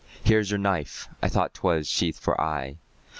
Here is your knife! I thought 'twas sheathed for aye.